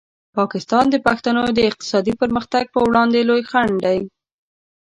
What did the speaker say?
پاکستان د پښتنو د اقتصادي پرمختګ په وړاندې لوی خنډ دی.